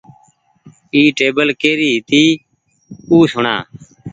اي ٽيبل ڪري هيتي او سوڻا۔